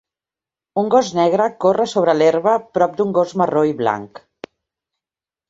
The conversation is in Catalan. Un gos negre corre sobre l'herba prop d'un gos marró i blanc.